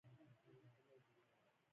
پښتانه وځپل شول او پنجشیریان شتمن شول